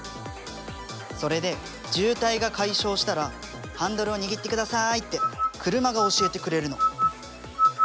それで渋滞が解消したら「ハンドルを握ってください」って車が教えてくれるの。